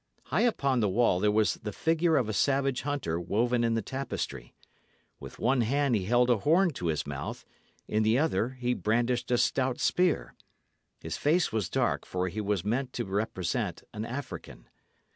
High upon the wall there was the figure of a savage hunter woven in the tapestry. With one hand he held a horn to his mouth; in the other he brandished a stout spear. His face was dark, for he was meant to represent an African.